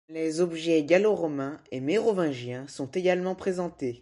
Des objets gallo-romains et mérovingiens sont également présentés.